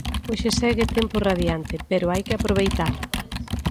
Hoxe segue tempo radiante, pero hai que aproveitar.